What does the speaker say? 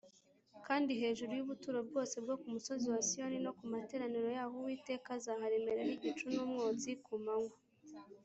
kandi hejuru y’ubuturo bwose bwo ku musozi wa siyoni no ku materaniro yaho uwiteka azaharemeraho igicu n’umwotsi ku manywa